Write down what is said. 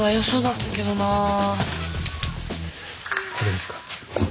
これですか？